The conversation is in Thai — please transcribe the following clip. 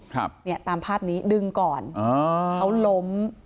ครับตามภาพนี้ดึงก่อนเขาหลม